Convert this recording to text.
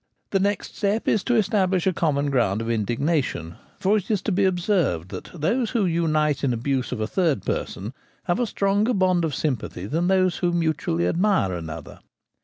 The next step is to establish a common ground of indignation ; for it is to be observed that those who unite in abuse of a third person have a stronger bond of sympathy than those who mutually admire another.